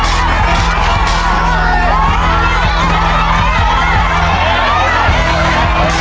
เสร็จแล้วนะคะ